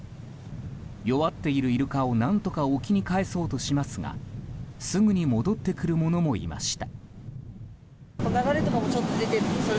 弱っているイルカを何とか沖にかえそうとしますがすぐに戻ってくるものもいました。